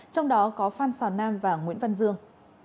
trong đó có phan xào nam và nguyễn văn dương